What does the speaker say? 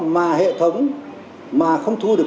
mà hệ thống mà không thu được